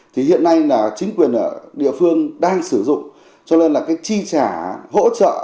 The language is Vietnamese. thì hiện nay là chính quyền ở địa phương đang sử dụng cho nên là cái chi trả hỗ trợ